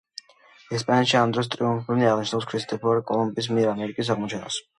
ესპანეთში ამ დროს ტრიუმფით აღნიშნავენ ქრისტეფორე კოლუმბის მიერ ამერიკის აღმოჩენას.